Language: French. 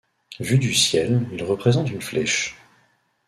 Vu du ciel, il représente une flèche.